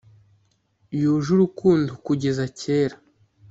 yuje urukundo kugeza kera.